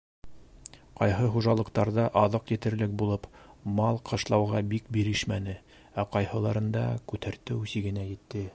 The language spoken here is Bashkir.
Кайһы хужалыҡтарҙа аҙыҡ етерлек булып, мал ҡышлауға бик бирешмәне, ә ҡайһыларында күтәртеү сигенә етте.